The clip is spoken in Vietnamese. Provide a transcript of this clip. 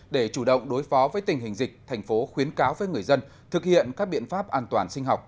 để chủ động đối phó với tình hình dịch thành phố khuyến cáo với người dân thực hiện các biện pháp an toàn sinh học